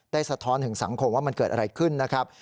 สะท้อนถึงสังคมว่ามันเกิดอะไรขึ้นนะครับ